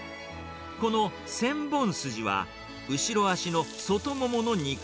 この千本筋は、後ろ足の外モモの肉。